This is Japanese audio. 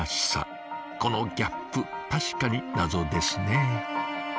このギャップ確かにナゾですねえ。